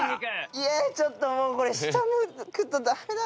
いやちょっともうこれ下向くとダメだな。